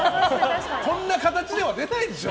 こんな形では出ないでしょ。